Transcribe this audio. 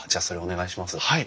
はい。